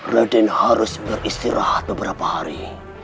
radin harus beristirahat beberapa hari